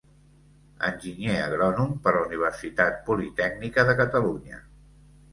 Enginyer agrònom per la Universitat Politècnica de Catalunya.